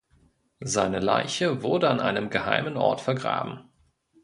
Seine Leiche wurde an einem geheimen Ort vergraben.